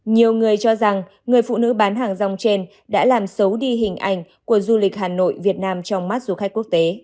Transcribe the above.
nhiều người cho rằng người phụ nữ bán hàng rong trên đã làm xấu đi hình ảnh của du lịch hà nội việt nam trong mắt du khách quốc tế